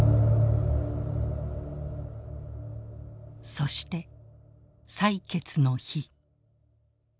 そして採決の日。